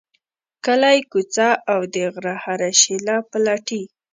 کلی، کوڅه او د غره هره شیله پلټي.